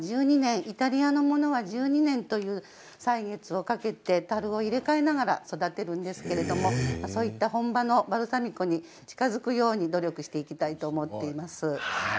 イタリアのものは１２年という歳月をかけてたるを入れ替えながら育てるんですけどそういった本場のバルサミコに近づけるように努力していきたいと思っています。